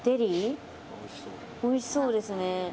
おいしそうですね。